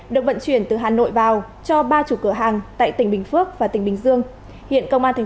được vận chuyển từ hà nội vào cho ba chủ cửa hàng tại tỉnh bình phước và tỉnh bình dương hiện công an thành